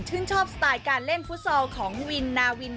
ชอบสไตล์การเล่นฟุตซอลของวินนาวิน